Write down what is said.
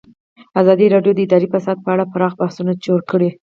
ازادي راډیو د اداري فساد په اړه پراخ بحثونه جوړ کړي.